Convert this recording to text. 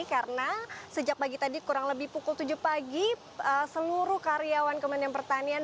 karena sejak pagi tadi kurang lebih pukul tujuh pagi seluruh karyawan kementerian pertanian